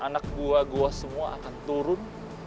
anak buah gue semua akan turun